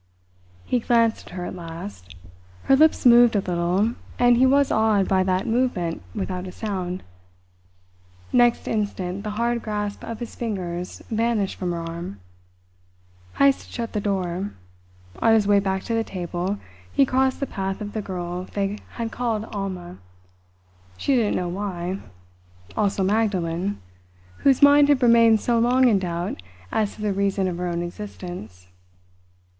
He glanced at her at last. Her lips moved a little, and he was awed by that movement without a sound. Next instant the hard grasp of his fingers vanished from her arm. Heyst had shut the door. On his way back to the table, he crossed the path of the girl they had called Alma she didn't know why also Magdalen, whose mind had remained so long in doubt as to the reason of her own existence.